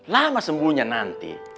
lama sembunyian nanti